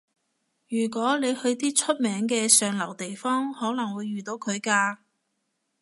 如果你去啲出名嘅上流地方，可能會遇到佢㗎